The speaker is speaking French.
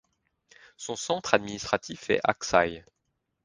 Son centre administratif est Aksaï.